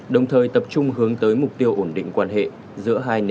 đồng thời tập trung hướng tới mục tiêu ổn định quan hệ giữa hai nền kinh tế lớn nhất thế giới